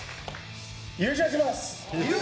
優勝します！